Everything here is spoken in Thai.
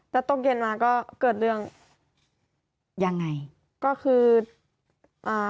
แล้วตกเย็นมาก็เกิดเรื่องยังไงก็คืออ่า